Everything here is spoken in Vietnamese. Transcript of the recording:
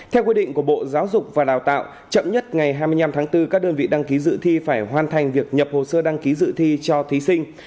theo quy định của bộ giáo dục và đào tạo chậm nhất ngày hai mươi năm tháng bốn các đơn vị đăng ký dự thi phải hoàn thành việc nhập hồ sơ đăng ký dự thi cho thí sinh